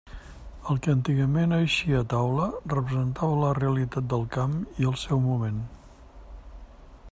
El que antigament eixia a taula representava la realitat del camp i el seu moment.